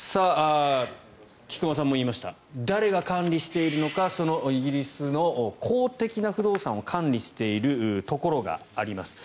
菊間さんも言いました誰が管理しているのかそのイギリスの公的な不動産を管理しているところがあります。